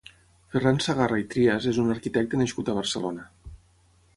Ferran Sagarra i Trias és un arquitecte nascut a Barcelona.